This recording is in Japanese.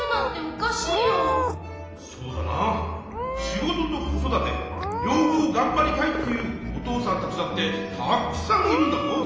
仕事と子育て両方がんばりたいっていうお父さんたちだってたくさんいるんだぞ。